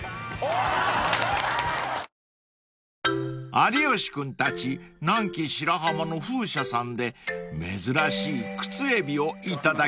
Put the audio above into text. ［有吉君たち南紀白浜の風車さんで珍しいクツエビを頂きます］